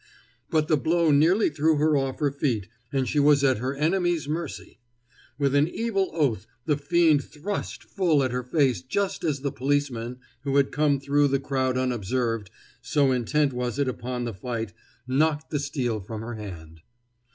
But the blow nearly threw her off her feet, and she was at her enemy's mercy. With an evil oath the fiend thrust full at her face just as the policeman, who had come through the crowd unobserved, so intent was it upon the fight, knocked the steel from her hand.